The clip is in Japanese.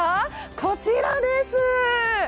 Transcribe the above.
こちらです